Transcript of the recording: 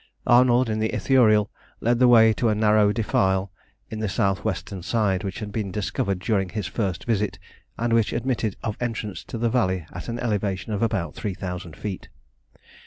Arnold in the Ithuriel led the way to a narrow defile on the south western side, which had been discovered during his first visit, and which admitted of entrance to the valley at an elevation of about 3000 feet.